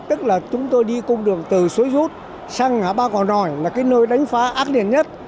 tức là chúng tôi đi cùng đường từ s spouse sang ngã ba cỏ ròi là cái nơi đánh phá ác điển nhất